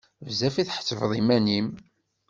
Bezzaf i tḥettbeḍ iman-im!